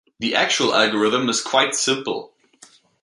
The actual algorithm is quite simple.